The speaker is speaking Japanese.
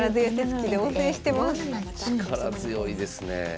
力強いですねえ。